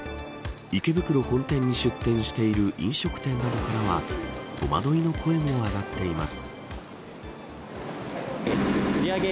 池袋本店に出店している飲食店などからは戸惑いの声も上がっています。